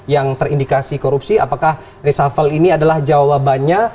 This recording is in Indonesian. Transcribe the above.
yang terindikasi korupsi apakah reshuffle ini adalah jawabannya